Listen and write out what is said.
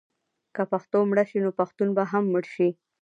که پښتو مړه شي نو پښتون به هم مړ شي.